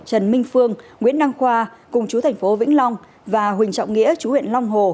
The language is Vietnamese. trần minh phương nguyễn đăng khoa cung chú tp vĩnh long và huỳnh trọng nghĩa chú huyện long hồ